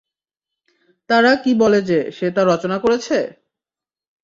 তারা কি বলে যে, সে তা রচনা করেছে?